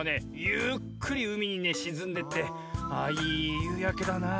ゆっくりうみにねしずんでってあいいゆうやけだなみたいな。